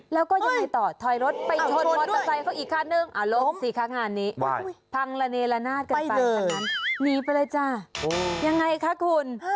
แล้วก็ยังไงต่อถอยรถไปอีกคันด้วยลบสิค่างานนี้พังละเนละนาดกันไปนีไปเลยจ้ะยังไงคะคุณ